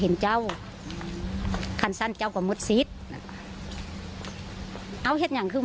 เห็นเจ้าคันสั้นเจ้าก็มดซิดนะคะเอาเห็ดอย่างคือ